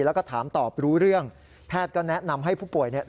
แล้วก็ถามตอบรู้เรื่องแพทย์ก็แนะนำให้ผู้ป่วยเนี่ย